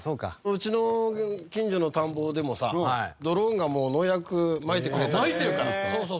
うちの近所の田んぼでもさドローンがもう農薬まいてくれたりしてるから。